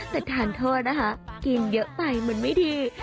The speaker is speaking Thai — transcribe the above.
แต่ทานโทษนะคะกินเยอะไปมันไม่ดี